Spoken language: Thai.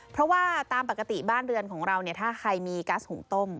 เพราะว่าตามปกติบ้านเรือนของเราเนี่ยถ้าใครมีก๊าซหุงต้ม